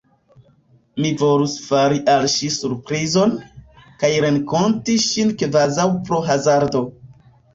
Mi volus fari al ŝi surprizon, kaj renkonti ŝin kvazaŭ pro hazardo.